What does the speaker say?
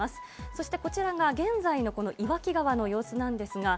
そしてこちらが現在の岩木川の様子です。